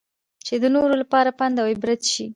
چې د نورو لپاره پند اوعبرت شي.